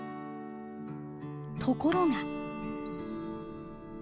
ところが。